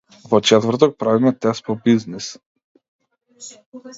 Во четврок правиме тест по бизнис.